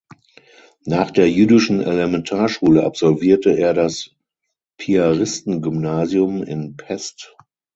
Nach der jüdischen Elementarschule absolvierte er das Piaristengymnasium in Pest.